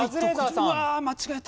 うわ間違えた。